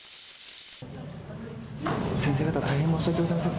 先生方、大変申し訳ございません。